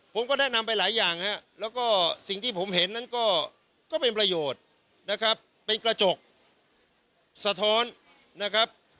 ผมก็แนะนำไปหลายอย่างฮะแล้วก็สิ่งที่ผมเห็นนั้นก็เป็นประโยชน์นะครับเป็นกระจกสะท้อนนะครับ